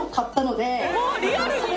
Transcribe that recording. リアルに！？